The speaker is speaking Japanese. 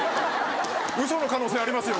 ウソの可能性ありますよ